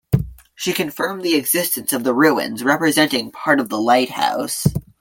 She confirmed the existence of the ruins representing part of the lighthouse.